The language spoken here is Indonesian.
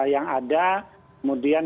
yang ada kemudian